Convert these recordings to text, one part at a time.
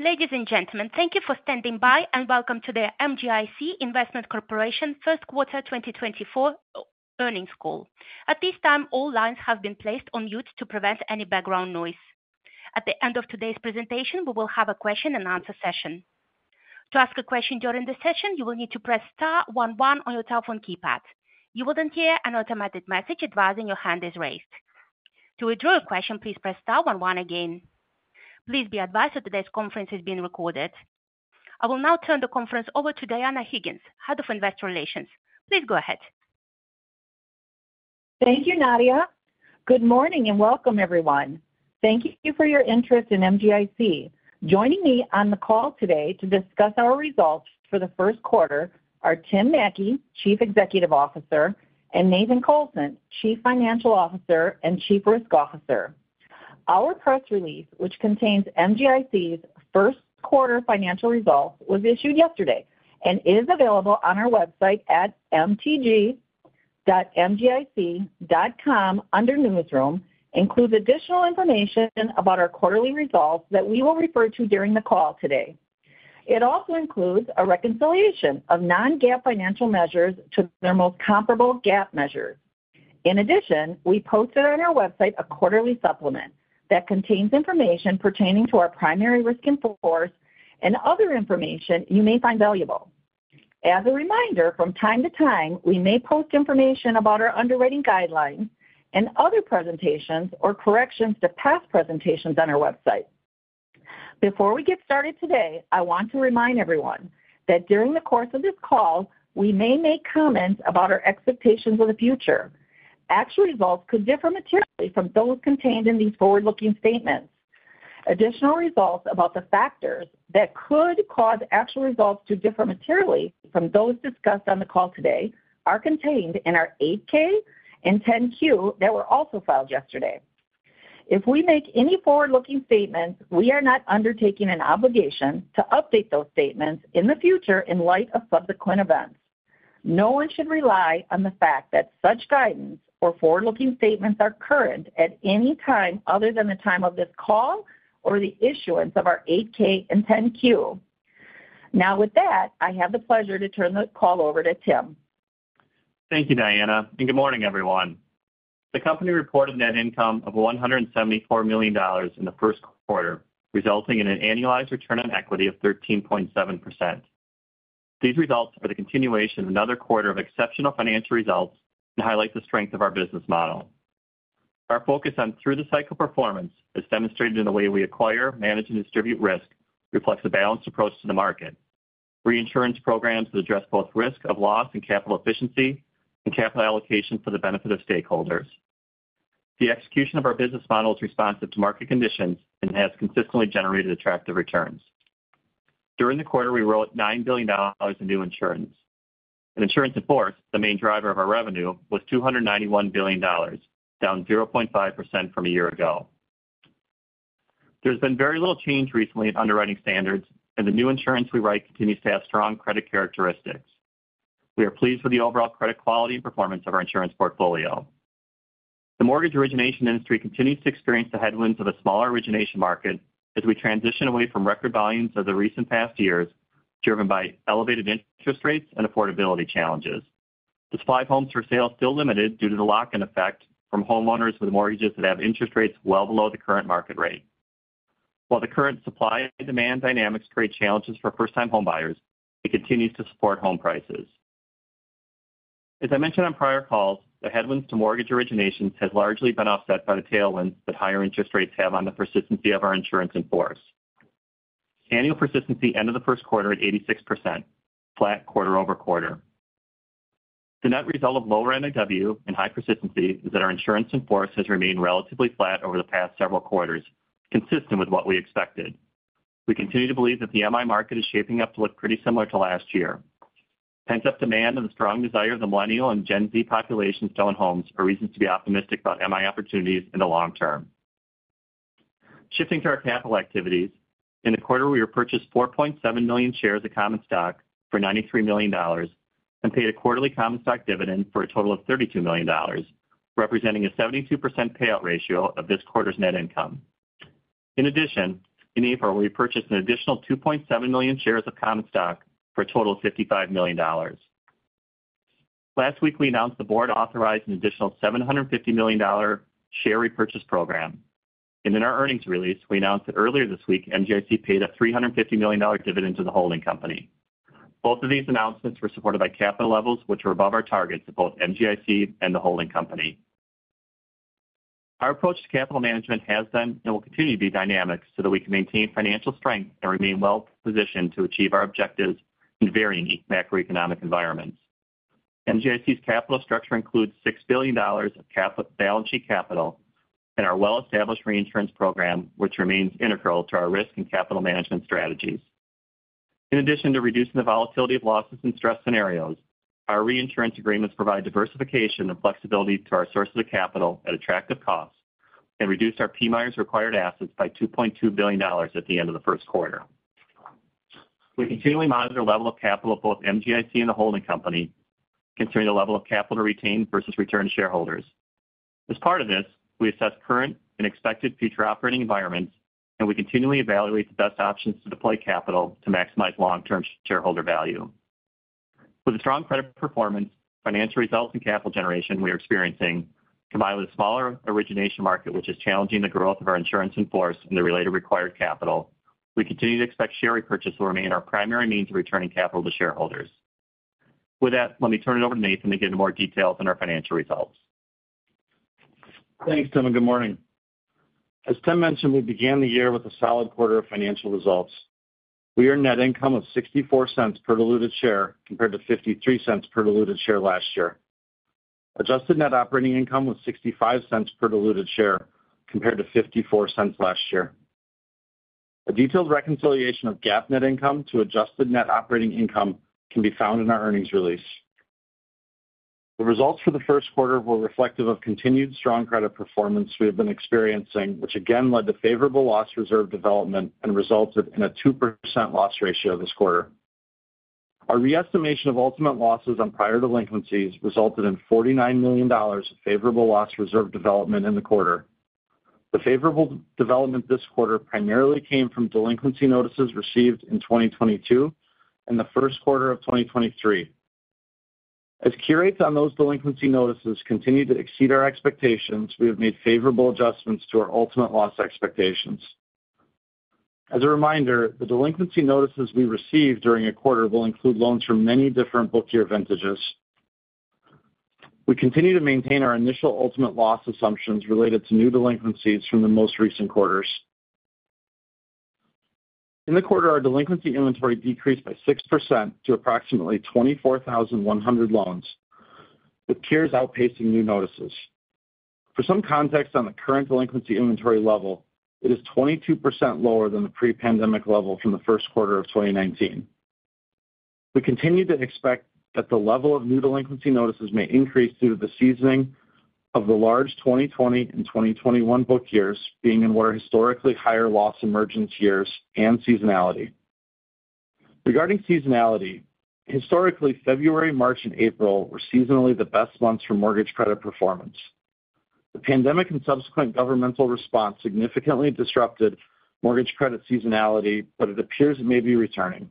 Ladies and gentlemen, thank you for standing by, and welcome to the MGIC Investment Corporation first quarter 2024 earnings call. At this time, all lines have been placed on mute to prevent any background noise. At the end of today's presentation, we will have a question and answer session. To ask a question during the session, you will need to press star one one on your telephone keypad. You will then hear an automatic message advising your hand is raised. To withdraw your question, please press star one one again. Please be advised that today's conference is being recorded. I will now turn the conference over to Dianna Higgins, Head of Investor Relations. Please go ahead. Thank you, Nadia. Good morning, and welcome, everyone. Thank you for your interest in MGIC. Joining me on the call today to discuss our results for the first quarter are Tim Mattke, Chief Executive Officer, and Nathan Colson, Chief Financial Officer and Chief Risk Officer. Our press release, which contains MGIC's first quarter financial results, was issued yesterday and is available on our website at mtg.mgic.com under Newsroom, includes additional information about our quarterly results that we will refer to during the call today. It also includes a reconciliation of non-GAAP financial measures to their most comparable GAAP measures. In addition, we posted on our website a quarterly supplement that contains information pertaining to our primary risk in force and other information you may find valuable. As a reminder, from time to time, we may post information about our underwriting guidelines and other presentations or corrections to past presentations on our website. Before we get started today, I want to remind everyone that during the course of this call, we may make comments about our expectations of the future. Actual results could differ materially from those contained in these forward-looking statements. Additional results about the factors that could cause actual results to differ materially from those discussed on the call today are contained in our Form 8-K and Form 10-Q that were also filed yesterday. If we make any forward-looking statements, we are not undertaking an obligation to update those statements in the future in light of subsequent events. No one should rely on the fact that such guidance or forward-looking statements are current at any time other than the time of this call or the issuance of our Form 8-K and Form 10-Q. Now, with that, I have the pleasure to turn the call over to Tim. Thank you, Dianna, and good morning, everyone. The company reported net income of $174 million in the first quarter, resulting in an annualized return on equity of 13.7%. These results are the continuation of another quarter of exceptional financial results and highlight the strength of our business model. Our focus on through-the-cycle performance is demonstrated in the way we acquire, manage, and distribute risk, reflects a balanced approach to the market. Reinsurance programs address both risk of loss and capital efficiency and capital allocation for the benefit of stakeholders. The execution of our business model is responsive to market conditions and has consistently generated attractive returns. During the quarter, we wrote $9 billion in new insurance. Insurance in force, the main driver of our revenue, was $291 billion, down 0.5% from a year ago. There's been very little change recently in underwriting standards, and the new insurance we write continues to have strong credit characteristics. We are pleased with the overall credit quality and performance of our insurance portfolio. The mortgage origination industry continues to experience the headwinds of a smaller origination market as we transition away from record volumes of the recent past years, driven by elevated interest rates and affordability challenges. The supply of homes for sale is still limited due to the lock-in effect from homeowners with mortgages that have interest rates well below the current market rate. While the current supply and demand dynamics create challenges for first-time homebuyers, it continues to support home prices. As I mentioned on prior calls, the headwinds to mortgage origination has largely been offset by the tailwinds that higher interest rates have on the persistency of our insurance in force. Annual persistency end of the first quarter at 86%, flat quarter-over-quarter. The net result of lower NIW and high persistency is that our insurance in force has remained relatively flat over the past several quarters, consistent with what we expected. We continue to believe that the MI market is shaping up to look pretty similar to last year. Pent-up demand and the strong desire of the Millennial and Gen Z populations to own homes are reasons to be optimistic about MI opportunities in the long term. Shifting to our capital activities, in the quarter, we repurchased 4.7 million shares of common stock for $93 million and paid a quarterly common stock dividend for a total of $32 million, representing a 72% payout ratio of this quarter's net income. In addition, in April, we purchased an additional 2.7 million shares of common stock for a total of $55 million. Last week, we announced the board authorized an additional $750 million share repurchase program, and in our earnings release, we announced that earlier this week, MGIC paid a $350 million dividend to the holding company. Both of these announcements were supported by capital levels, which are above our targets at both MGIC and the holding company. Our approach to capital management has been and will continue to be dynamic so that we can maintain financial strength and remain well positioned to achieve our objectives in varying macroeconomic environments. MGIC's capital structure includes $6 billion of on-balance sheet capital and our well-established reinsurance program, which remains integral to our risk and capital management strategies. In addition to reducing the volatility of losses in stress scenarios, our reinsurance agreements provide diversification and flexibility to our sources of capital at attractive costs and reduce our PMIERs required assets by $2.2 billion at the end of the first quarter. We continually monitor the level of capital of both MGIC and the holding company, considering the level of capital retained versus returned to shareholders. As part of this, we assess current and expected future operating environments, and we continually evaluate the best options to deploy capital to maximize long-term shareholder value. With the strong credit performance, financial results, and capital generation we are experiencing, combined with a smaller origination market, which is challenging the growth of our insurance in force and the related required capital, we continue to expect share repurchase will remain our primary means of returning capital to shareholders. With that, let me turn it over to Nathan to get into more details on our financial results. Thanks, Tim, and good morning. As Tim mentioned, we began the year with a solid quarter of financial results. We earned net income of $0.64 per diluted share, compared to $0.53 per diluted share last year. Adjusted net operating income was $0.65 per diluted share, compared to $0.54 last year. A detailed reconciliation of GAAP net income to adjusted net operating income can be found in our earnings release. The results for the first quarter were reflective of continued strong credit performance we have been experiencing, which again led to favorable loss reserve development and resulted in a 2% loss ratio this quarter. Our re-estimation of ultimate losses on prior delinquencies resulted in $49 million of favorable loss reserve development in the quarter. The favorable development this quarter primarily came from delinquency notices received in 2022 and the first quarter of 2023. As cure rates on those delinquency notices continued to exceed our expectations, we have made favorable adjustments to our ultimate loss expectations. As a reminder, the delinquency notices we receive during a quarter will include loans from many different book year vintages. We continue to maintain our initial ultimate loss assumptions related to new delinquencies from the most recent quarters. In the quarter, our delinquency inventory decreased by 6% to approximately 24,100 loans, with cures outpacing new notices. For some context on the current delinquency inventory level, it is 22% lower than the pre-pandemic level from the first quarter of 2019. We continue to expect that the level of new delinquency notices may increase due to the seasoning of the large 2020 and 2021 book years being in what are historically higher loss emergence years and seasonality. Regarding seasonality, historically, February, March, and April were seasonally the best months for mortgage credit performance. The pandemic and subsequent governmental response significantly disrupted mortgage credit seasonality, but it appears it may be returning.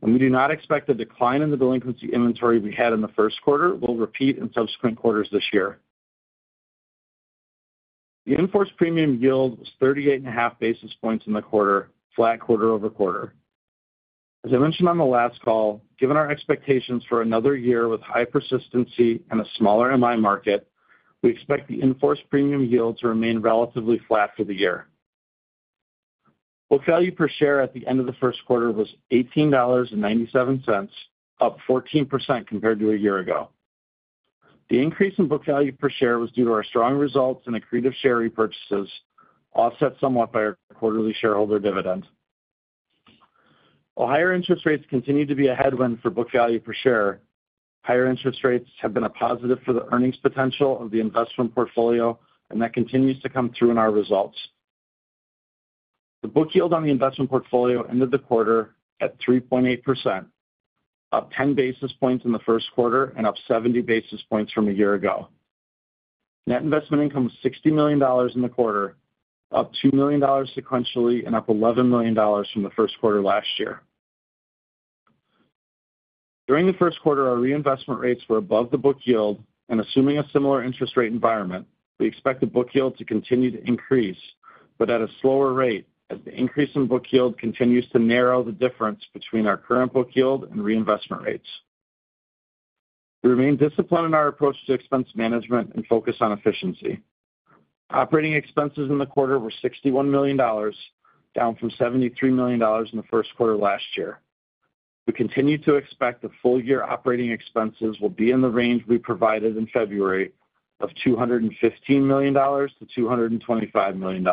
We do not expect the decline in the delinquency inventory we had in the first quarter will repeat in subsequent quarters this year. The in-force premium yield was 38.5 basis points in the quarter, flat quarter-over-quarter. As I mentioned on the last call, given our expectations for another year with high persistency and a smaller MI market, we expect the in-force premium yield to remain relatively flat for the year. Book value per share at the end of the first quarter was $18.97, up 14% compared to a year ago. The increase in book value per share was due to our strong results and accretive share repurchases, offset somewhat by our quarterly shareholder dividend. While higher interest rates continue to be a headwind for book value per share, higher interest rates have been a positive for the earnings potential of the investment portfolio, and that continues to come through in our results. The book yield on the investment portfolio ended the quarter at 3.8%, up 10 basis points in the first quarter and up 70 basis points from a year ago. Net investment income was $60 million in the quarter, up $2 million sequentially and up $11 million from the first quarter last year. During the first quarter, our reinvestment rates were above the book yield, and assuming a similar interest rate environment, we expect the book yield to continue to increase, but at a slower rate, as the increase in book yield continues to narrow the difference between our current book yield and reinvestment rates. We remain disciplined in our approach to expense management and focus on efficiency. Operating expenses in the quarter were $61 million, down from $73 million in the first quarter last year. We continue to expect the full-year operating expenses will be in the range we provided in February of $215 million-$225 million.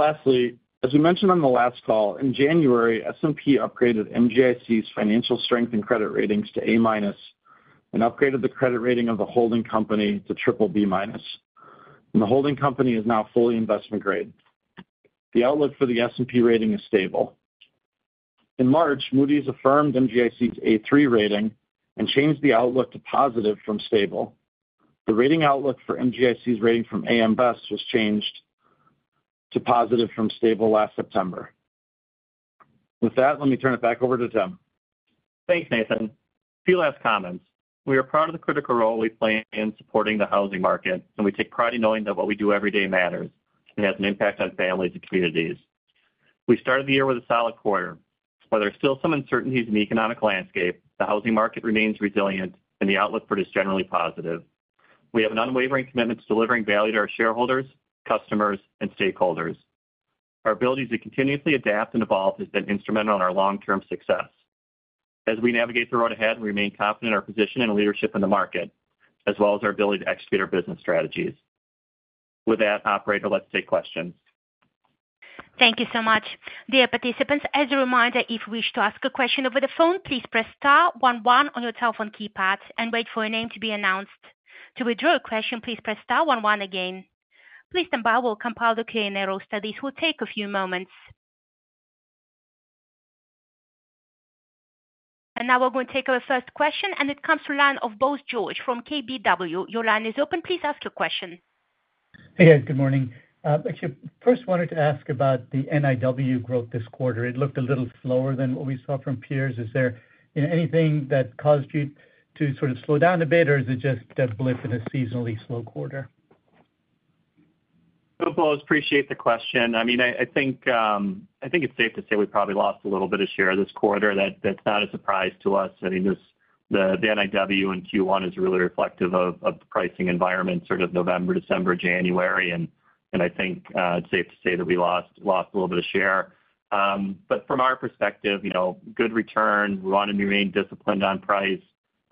Lastly, as we mentioned on the last call, in January, S&P upgraded MGIC's financial strength and credit ratings to A-minus and upgraded the credit rating of the holding company to triple B-minus, and the holding company is now fully investment grade. The outlook for the S&P rating is stable. In March, Moody's affirmed MGIC's A3 rating and changed the outlook to positive from stable. The rating outlook for MGIC's rating from AM Best was changed to positive from stable last September. With that, let me turn it back over to Tim. Thanks, Nathan. A few last comments. We are proud of the critical role we play in supporting the housing market, and we take pride in knowing that what we do every day matters and has an impact on families and communities. We started the year with a solid quarter. While there are still some uncertainties in the economic landscape, the housing market remains resilient, and the outlook for it is generally positive. We have an unwavering commitment to delivering value to our shareholders, customers, and stakeholders. Our ability to continuously adapt and evolve has been instrumental in our long-term success. As we navigate the road ahead, we remain confident in our position and leadership in the market, as well as our ability to execute our business strategies. With that, operator, let's take questions. Thank you so much. Dear participants, as a reminder, if you wish to ask a question over the phone, please press star one one on your telephone keypad and wait for your name to be announced. To withdraw a question, please press star one one again. Please stand by while we compile the Q&A roster. This will take a few moments. Now we're going to take our first question, and it comes from the line of Bose George from KBW. Your line is open. Please ask your question. Hey, guys. Good morning. Actually, first wanted to ask about the NIW growth this quarter. It looked a little slower than what we saw from peers. Is there, you know, anything that caused you to sort of slow down a bit, or is it just that blip in a seasonally slow quarter? So Bose, appreciate the question. I mean, I think it's safe to say we probably lost a little bit of share this quarter. That's not a surprise to us. I think this, the NIW in Q1 is really reflective of the pricing environment, sort of November, December, January, and I think it's safe to say that we lost a little bit of share. But from our perspective, you know, good return. We want to remain disciplined on price.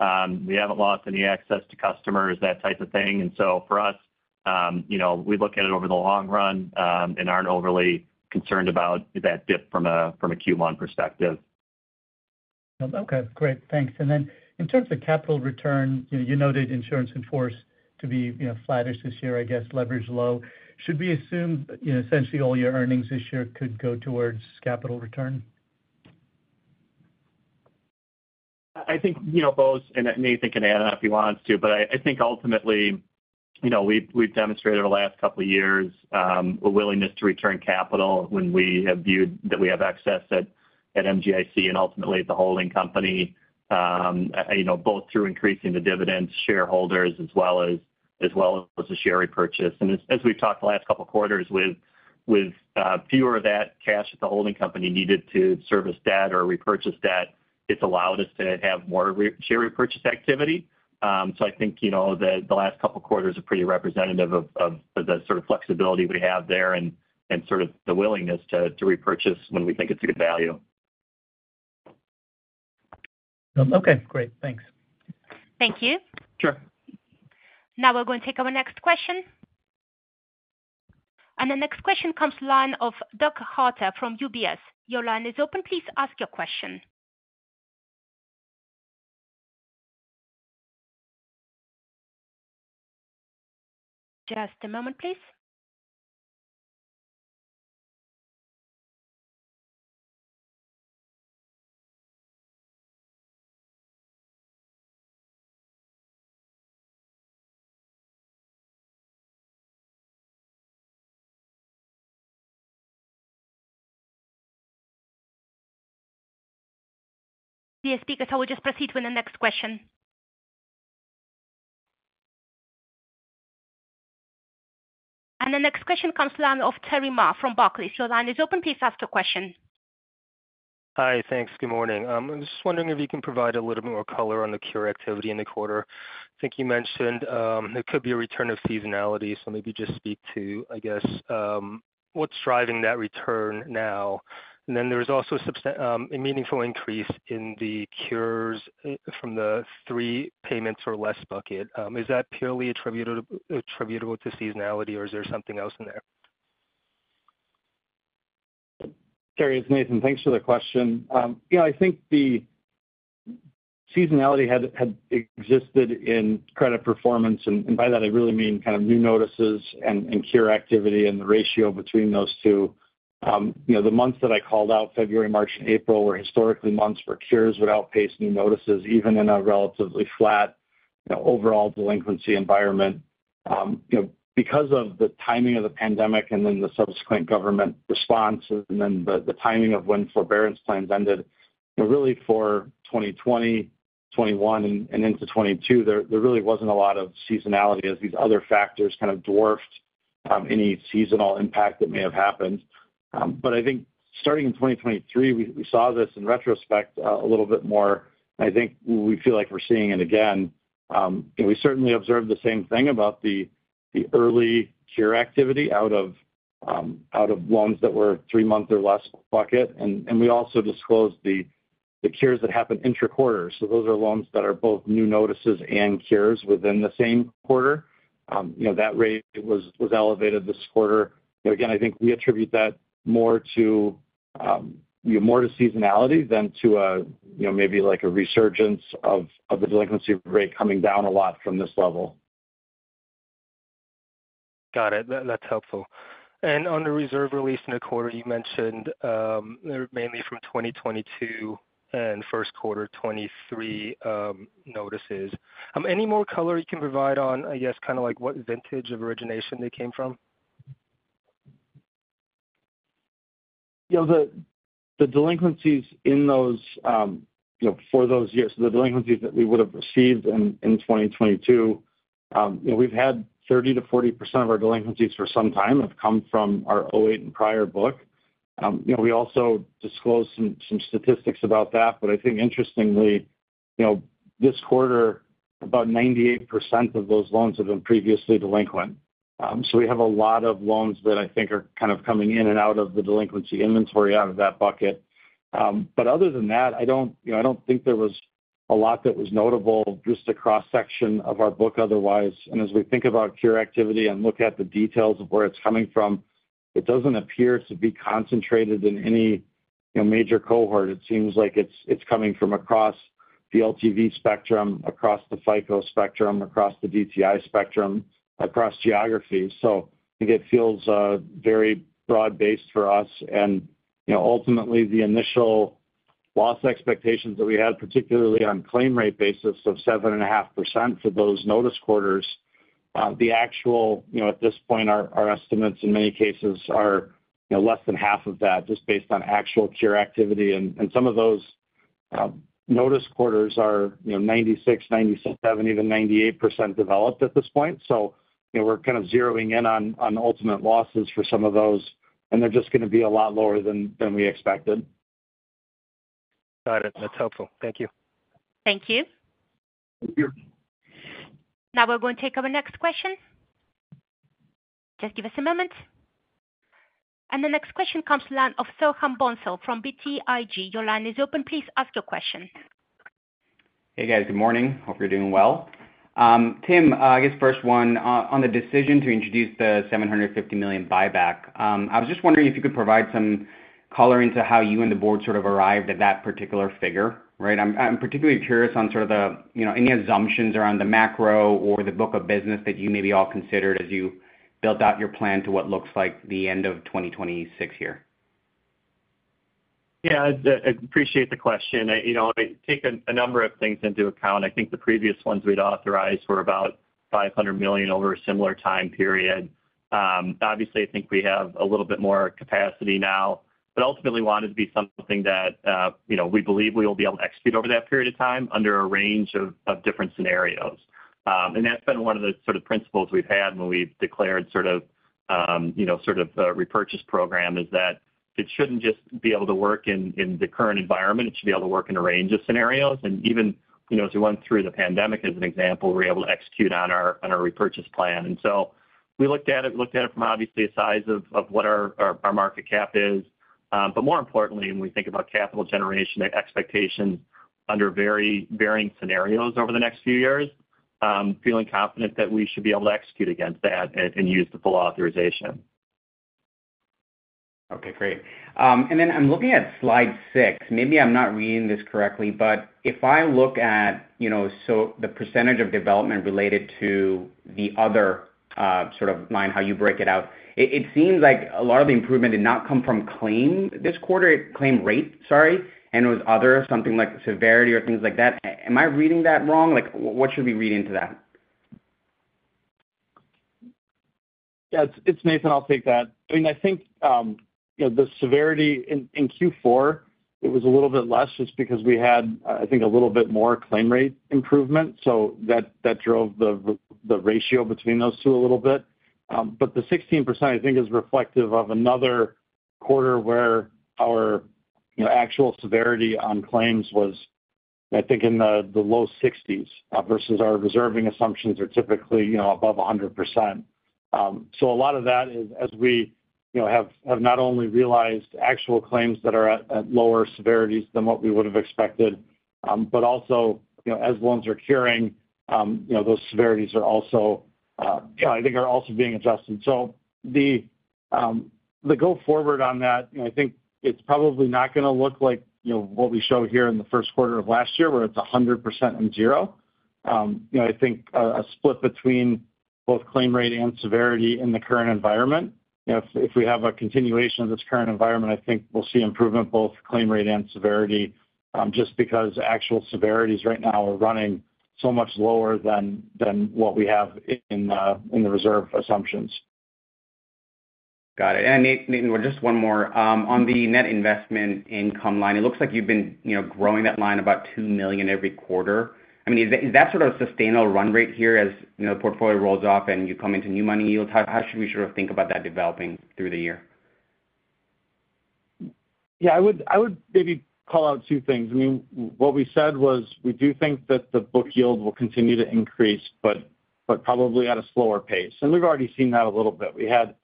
We haven't lost any access to customers, that type of thing. And so for us, you know, we look at it over the long run and aren't overly concerned about that dip from a Q1 perspective. Okay, great. Thanks. And then in terms of capital return, you noted insurance in force to be, you know, flattish this year, I guess, leverage low. Should we assume, you know, essentially all your earnings this year could go towards capital return? I think, you know, Bose, and Nathan can add on if he wants to, but I think ultimately, you know, we've demonstrated over the last couple of years a willingness to return capital when we have viewed that we have access at MGIC and ultimately at the holding company, you know, both through increasing the dividends, shareholders, as well as the share repurchase. And as we've talked the last couple of quarters with fewer of that cash at the holding company needed to service debt or repurchase debt, it's allowed us to have more share repurchase activity. So I think, you know, the last couple of quarters are pretty representative of the sort of flexibility we have there and sort of the willingness to repurchase when we think it's a good value. Okay, great. Thanks. Thank you. Sure. Now we're going to take our next question. The next question comes from the line of Doug Harter from UBS. Your line is open. Please ask your question. Just a moment, please. The speaker, so we'll just proceed with the next question. The next question comes from the line of Terry Ma from Barclays. Your line is open. Please ask your question. Hi, thanks. Good morning. I'm just wondering if you can provide a little more color on the cure activity in the quarter. I think you mentioned there could be a return of seasonality, so maybe just speak to, I guess, what's driving that return now. And then there was also a meaningful increase in the cures from the three payments or less bucket. Is that purely attributable to seasonality, or is there something else in there? Terry, it's Nathan. Thanks for the question. Yeah, I think the seasonality had existed in credit performance, and by that I really mean kind of new notices and cure activity and the ratio between those two. You know, the months that I called out, February, March, and April, were historically months where cures would outpace new notices, even in a relatively flat, you know, overall delinquency environment. You know, because of the timing of the pandemic and then the subsequent government response and then the timing of when forbearance plans ended, you know, really for 2020, 2021 and into 2022, there really wasn't a lot of seasonality as these other factors kind of dwarfed any seasonal impact that may have happened. But I think starting in 2023, we saw this in retrospect a little bit more, and I think we feel like we're seeing it again. And we certainly observed the same thing about the early cure activity out of loans that were three months or less bucket. And we also disclosed the cures that happened intra-quarter. So those are loans that are both new notices and cures within the same quarter. You know, that rate was elevated this quarter. Again, I think we attribute that more to seasonality than to a, you know, maybe like a resurgence of the delinquency rate coming down a lot from this level. Got it. That, that's helpful. And on the reserve release in the quarter, you mentioned, mainly from 2022 and first quarter 2023, notices. Any more color you can provide on, I guess, kind of like, what vintage of origination they came from? You know, the delinquencies in those, you know, for those years, the delinquencies that we would have received in, in 2022, you know, we've had 30% to 40% of our delinquencies for some time have come from our 2008 and prior book. You know, we also disclosed some statistics about that, but I think interestingly, you know, this quarter, about 98% of those loans have been previously delinquent. So we have a lot of loans that I think are kind of coming in and out of the delinquency inventory out of that bucket. But other than that, I don't, you know, I don't think there was a lot that was notable, just a cross-section of our book otherwise. And as we think about cure activity and look at the details of where it's coming from, it doesn't appear to be concentrated in any, you know, major cohort. It seems like it's coming from across the LTV spectrum, across the FICO spectrum, across the DTI spectrum, across geographies. So I think it feels very broad-based for us. And, you know, ultimately, the initial loss expectations that we had, particularly on claim rate basis of 7.5% for those notice quarters, the actual, you know, at this point, our estimates in many cases are, you know, less than half of that, just based on actual cure activity. And some of those notice quarters are, you know, 96%, 97%, even 98% developed at this point. You know, we're kind of zeroing in on ultimate losses for some of those, and they're just gonna be a lot lower than we expected. Got it. That's helpful. Thank you. Thank you. Thank you. Now, we're going to take our next question. Just give us a moment. The next question comes from the line of Soham Bhonsle from BTIG. Your line is open. Please ask your question. Hey, guys. Good morning. Hope you're doing well. Tim, I guess first one, on the decision to introduce the $750 million buyback, I was just wondering if you could provide some color into how you and the board sort of arrived at that particular figure, right? I'm particularly curious on sort of the, you know, any assumptions around the macro or the book of business that you maybe all considered as you built out your plan to what looks like the end of 2026 here. Yeah, I appreciate the question. You know, I take a number of things into account. I think the previous ones we'd authorized were about $500 million over a similar time period. Obviously, I think we have a little bit more capacity now, but ultimately wanted to be something that, you know, we believe we will be able to execute over that period of time under a range of different scenarios. And that's been one of the sort of principles we've had when we've declared sort of, you know, sort of, repurchase program, is that it shouldn't just be able to work in the current environment. It should be able to work in a range of scenarios. And even, you know, as we went through the pandemic, as an example, we were able to execute on our repurchase plan. We looked at it, looked at it from obviously a size of what our market cap is. But more importantly, when we think about capital generation and expectations under very varying scenarios over the next few years, feeling confident that we should be able to execute against that and use the full authorization. Okay, great. And then I'm looking at Slide 6. Maybe I'm not reading this correctly, but if I look at, you know, so the percentage of development related to the other, sort of line, how you break it out, it, it seems like a lot of the improvement did not come from claim this quarter, claim rate, sorry, and it was other, something like severity or things like that. Am I reading that wrong? Like, what should we read into that? Yeah, it's Nathan. I'll take that. I mean, I think you know, the severity in Q4, it was a little bit less just because we had, I think, a little bit more claim rate improvement. So that drove the ratio between those two a little bit. But the 16%, I think, is reflective of another quarter where our, you know, actual severity on claims was, I think, in the low 60s versus our reserving assumptions are typically, you know, above 100%. So a lot of that is, as we, you know, have not only realized actual claims that are at lower severities than what we would have expected, but also, you know, as loans are curing, you know, those severities are also, I think are also being adjusted. So the go forward on that, you know, I think it's probably not gonna look like, you know, what we show here in the first quarter of last year, where it's 100% and zero. You know, I think a split between both claim rate and severity in the current environment. You know, if we have a continuation of this current environment, I think we'll see improvement, both claim rate and severity, just because actual severities right now are running so much lower than what we have in the reserve assumptions. Got it. And Nathan, just one more. On the net investment income line, it looks like you've been, you know, growing that line about $2 million every quarter. I mean, is that, is that sort of a sustainable run rate here as, you know, the portfolio rolls off and you come into new money yields? How, how should we sort of think about that developing through the year? Yeah, I would, I would maybe call out two things. I mean, what we said was we do think that the book yield will continue to increase, but, but probably at a slower pace. And we've already seen that a little bit. We had,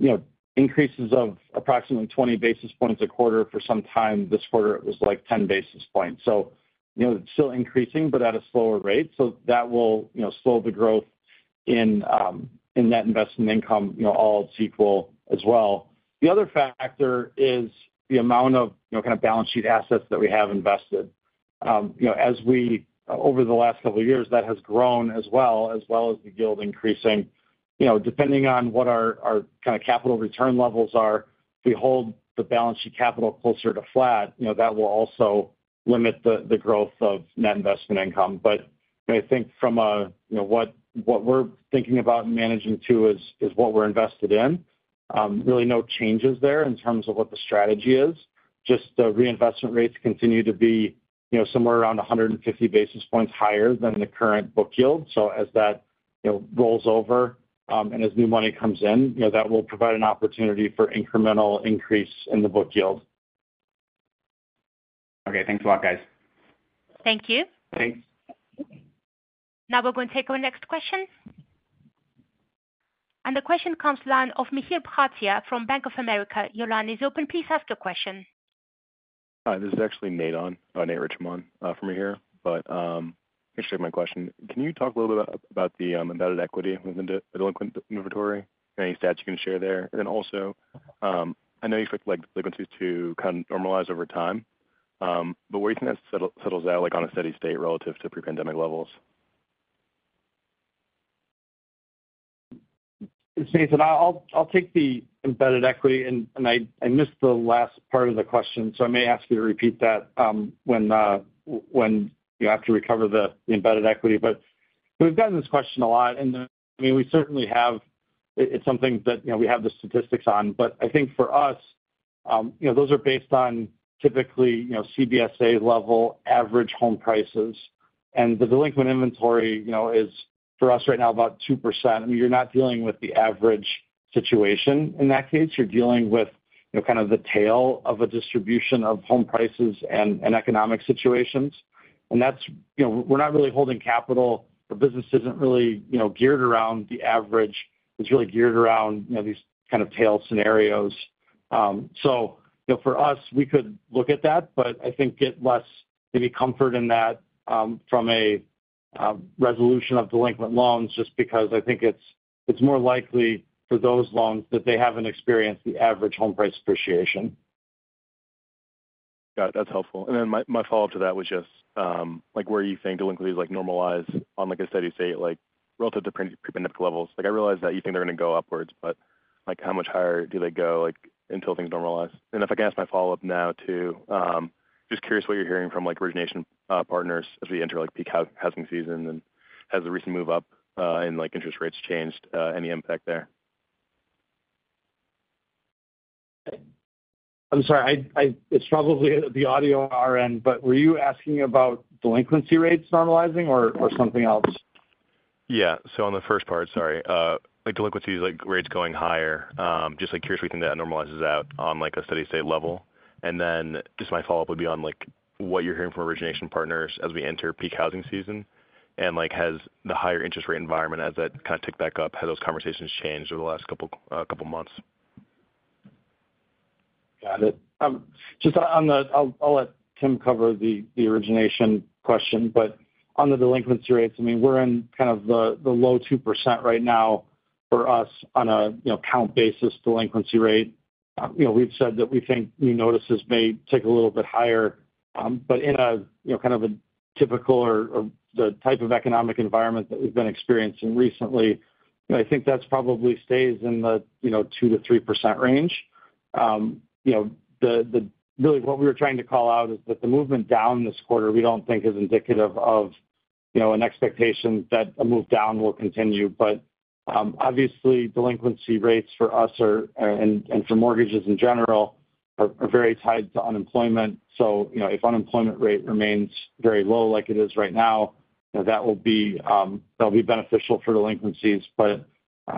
you know, increases of approximately 20 basis points a quarter for some time. This quarter, it was like 10 basis points. So you know, it's still increasing, but at a slower rate. So that will, you know, slow the growth in, in net investment income, you know, all else equal as well. The other factor is the amount of, you know, kind of balance sheet assets that we have invested. You know, as we over the last couple of years, that has grown as well, as well as the yield increasing. You know, depending on what our kind of capital return levels are, we hold the balance sheet capital closer to flat, you know, that will also limit the growth of net investment income. But I think from a, you know, what we're thinking about and managing to is what we're invested in. Really no changes there in terms of what the strategy is. Just the reinvestment rates continue to be, you know, somewhere around 150 basis points higher than the current book yield. So as that, you know, rolls over, and as new money comes in, you know, that will provide an opportunity for incremental increase in the book yield. Okay, thanks a lot, guys. Thank you. Thanks. Now, we're going to take our next question. The question comes from the line of Nathaniel Richmond from Bank of America. Your line is open. Please ask your question. Hi, this is actually Nathan, Nate Richmond, for Mihir. But, appreciate my question. Can you talk a little bit about the embedded equity within the delinquency inventory? Any stats you can share there? And then also, I know you expect, like, delinquencies to kind of normalize over time, but where do you think that settle, settles out, like, on a steady state relative to pre-pandemic levels? It's Nathan. I'll take the embedded equity, and I missed the last part of the question, so I may ask you to repeat that when you have to recover the embedded equity. But we've gotten this question a lot, and I mean, we certainly have it. It's something that, you know, we have the statistics on. But I think for us, you know, those are based on typically, you know, CBSA-level average home prices. And the delinquent inventory, you know, is for us right now about 2%. I mean, you're not dealing with the average situation in that case. You're dealing with, you know, kind of the tail of a distribution of home prices and economic situations. And that's, you know, we're not really holding capital. The business isn't really, you know, geared around the average. It's really geared around, you know, these kind of tail scenarios. So you know, for us, we could look at that, but I think get less, maybe comfort in that, from a resolution of delinquent loans, just because I think it's, it's more likely for those loans that they haven't experienced the average home price appreciation. Got it. That's helpful. And then my, my follow-up to that was just, like, where you think delinquencies, like, normalize on, like a steady state, like, relative to pre-pandemic levels? Like, I realize that you think they're gonna go upwards, but, like, how much higher do they go, like, until things normalize? And if I can ask my follow-up now, too, just curious what you're hearing from, like, origination partners as we enter, like, peak housing season, and has the recent move up in, like, interest rates changed any impact there? I'm sorry, it's probably the audio on our end, but were you asking about delinquency rates normalizing or, or something else? Yeah. So on the first part, sorry. Like, delinquencies, like, rates going higher, just, like, curious when that normalizes out on, like, a steady state level. And then just my follow-up would be on, like, what you're hearing from origination partners as we enter peak housing season, and, like, has the higher interest rate environment as that kind of ticked back up, have those conversations changed over the last couple months? Got it. Just on the -- I'll, I'll let Tim cover the, the origination question. But on the delinquency rates, I mean, we're in kind of the, the low 2% right now for us on a, you know, count basis delinquency rate. You know, we've said that we think new notices may tick a little bit higher. But in a, you know, kind of a typical or, or the type of economic environment that we've been experiencing recently, you know, I think that's probably stays in the, you know, 2%-3% range. You know, the, the -- really what we were trying to call out is that the movement down this quarter, we don't think is indicative of, you know, an expectation that a move down will continue. But, obviously, delinquency rates for us are, and for mortgages in general, are very tied to unemployment. So, you know, if unemployment rate remains very low like it is right now, you know, that will be, that'll be beneficial for delinquencies. But,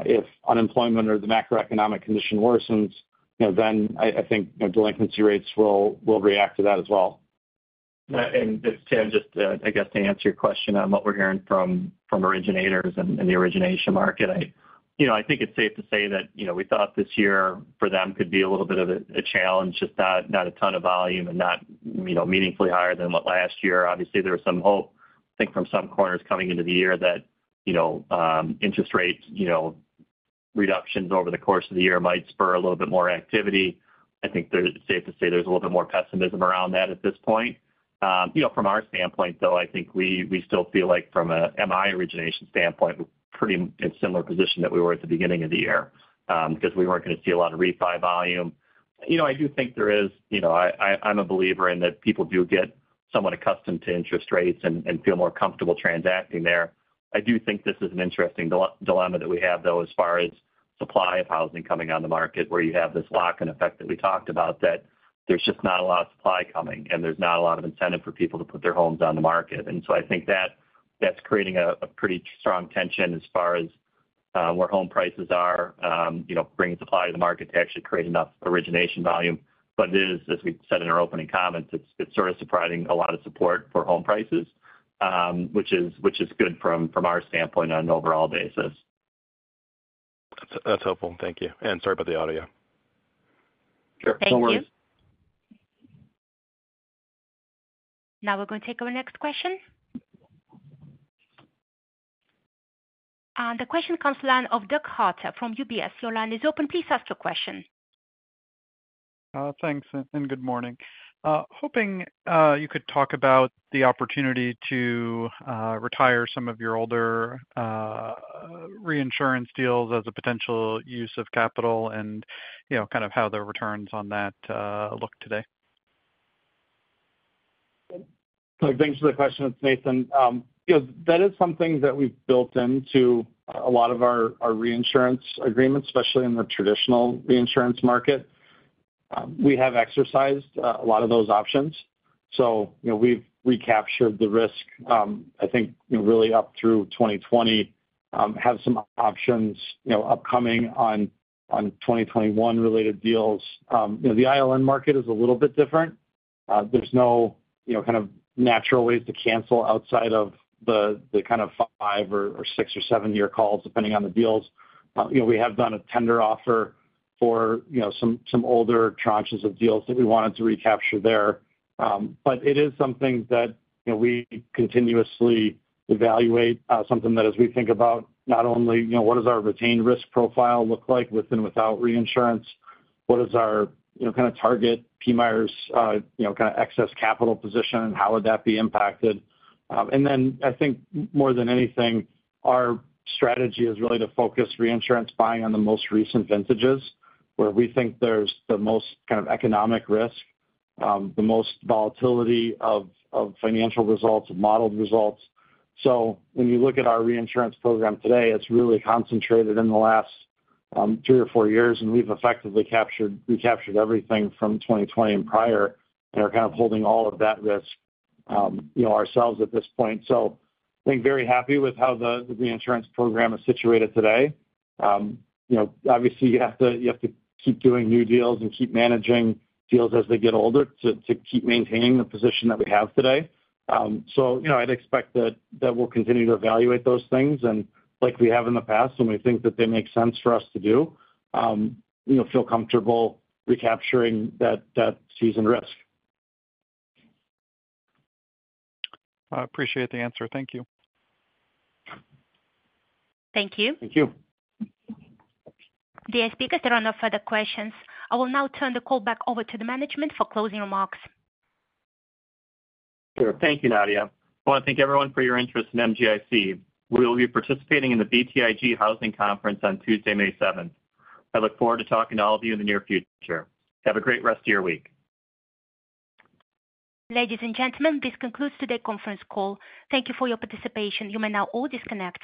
if unemployment or the macroeconomic condition worsens, you know, then I think, you know, delinquency rates will react to that as well. Just, Tim, just, I guess to answer your question on what we're hearing from originators and the origination market, you know, I think it's safe to say that, you know, we thought this year for them could be a little bit of a challenge, just not a ton of volume and not, you know, meaningfully higher than what last year. Obviously, there was some hope, I think, from some corners coming into the year that, you know, interest rates, you know, reductions over the course of the year might spur a little bit more activity. I think there, it's safe to say there's a little bit more pessimism around that at this point. You know, from our standpoint, though, I think we still feel like from a MI origination standpoint, we're pretty in a similar position that we were at the beginning of the year, because we weren't going to see a lot of refi volume. You know, I do think there is you know, I’m a believer in that people do get somewhat accustomed to interest rates and feel more comfortable transacting there. I do think this is an interesting dilemma that we have, though, as far as supply of housing coming on the market, where you have this lock-in effect that we talked about, that there's just not a lot of supply coming, and there's not a lot of incentive for people to put their homes on the market. And so I think that that's creating a pretty strong tension as far as where home prices are, you know, bringing supply to the market to actually create enough origination volume. But it is, as we said in our opening comments, it's sort of providing a lot of support for home prices, which is good from our standpoint on an overall basis. That's, that's helpful. Thank you. Sorry about the audio. Sure. No worries. Thank you. Now we're going to take our next question. The question comes from the line of Douglas Harter from UBS. Your line is open. Please ask your question. Thanks, and good morning. Hoping you could talk about the opportunity to retire some of your older reinsurance deals as a potential use of capital and, you know, kind of how the returns on that look today. Doug, thanks for the question. It's Nathan. You know, that is something that we've built into a lot of our reinsurance agreements, especially in the traditional reinsurance market. We have exercised a lot of those options, so, you know, we've recaptured the risk. I think, you know, really up through 2020. Have some options, you know, upcoming on 2021 related deals. You know, the ILN market is a little bit different. There's no, you know, kind of natural ways to cancel outside of the, the kind of five or six or seven-year calls, depending on the deals. You know, we have done a tender offer for some older tranches of deals that we wanted to recapture there. But it is something that, you know, we continuously evaluate, something that as we think about, not only, you know, what does our retained risk profile look like with and without reinsurance? What is our, you know, kind of target, PMIERs, you know, kind of excess capital position, and how would that be impacted? And then I think more than anything, our strategy is really to focus reinsurance buying on the most recent vintages, where we think there's the most kind of economic risk, the most volatility of, of financial results and modeled results. So when you look at our reinsurance program today, it's really concentrated in the last three or four years, and we've effectively recaptured everything from 2020 and prior, and are kind of holding all of that risk, you know, ourselves at this point. So, I think very happy with how the reinsurance program is situated today. You know, obviously, you have to keep doing new deals and keep managing deals as they get older to keep maintaining the position that we have today. So, you know, I'd expect that we'll continue to evaluate those things, and like we have in the past, when we think that they make sense for us to do, you know, feel comfortable recapturing that seasoned risk. I appreciate the answer. Thank you. Thank you. Thank you. The speakers, there are no further questions. I will now turn the call back over to the management for closing remarks. Sure. Thank you, Nadia. I want to thank everyone for your interest in MGIC. We will be participating in the BTIG Housing Conference on Tuesday, May 7th. I look forward to talking to all of you in the near future. Have a great rest of your week. Ladies and gentlemen, this concludes today's conference call. Thank you for your participation. You may now all disconnect.